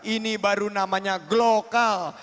ini baru namanya glocal